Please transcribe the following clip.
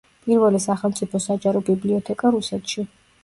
პირველი სახელმწიფო საჯარო ბიბლიოთეკა რუსეთში.